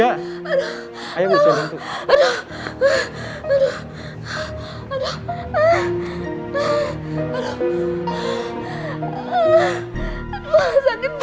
aduh sakit banget